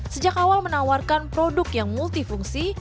sejak awal menawarkan produk yang multifungsi